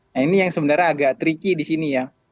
nah ini yang sebenarnya agak tricky di sini ya